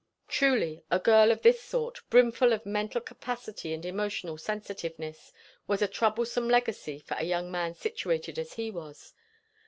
Truly, a girl of this sort, brimfull of mental capacity and emotional sensitiveness, was a troublesome legacy for a young man situated as he was.